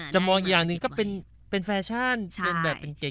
จะมองอย่างนึงก็เป็นแฟชั่นเป็นแบบเป็นเก๋เนอะ